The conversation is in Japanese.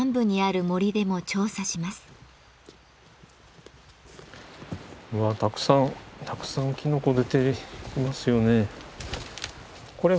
うわたくさんたくさんきのこ出ていますよね。